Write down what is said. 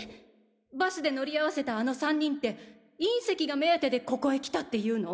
バスで乗り合わせたあの３人って隕石が目当てでここへ来たっていうの？